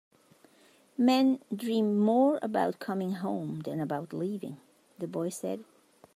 "Men dream more about coming home than about leaving," the boy said.